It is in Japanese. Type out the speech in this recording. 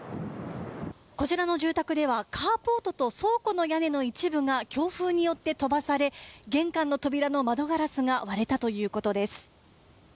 こちらの住宅ではカーポートと倉庫の一部の屋根が強風によって飛ばされ玄関の扉の窓ガラスが割れたということです。